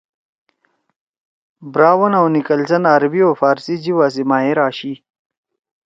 براؤن او نکلسن عربی او فارسی جیِبا سی ماہِر آشی